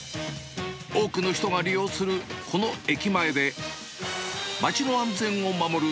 多くの人が利用するこの駅前で、街の安全を守る